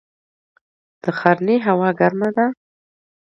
د ښرنې هوا ګرمه ده